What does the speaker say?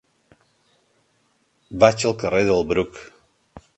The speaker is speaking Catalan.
Vaig al carrer del Bruc.